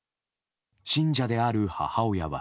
信者である母親は。